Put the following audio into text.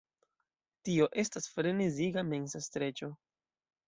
Tio estas freneziga mensa streĉo.